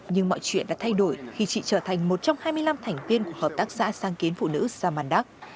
nhưng mọi chuyện đã thay đổi khi chị trở thành một trong hai mươi năm thành viên của hợp tác xã sang kiến phụ nữ samandak